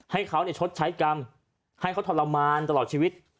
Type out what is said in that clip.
ให้เขาชดใช้กรรมให้เขาทรมานตลอดชีวิต